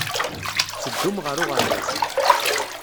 Tetteddum ɣer uɣerbaz.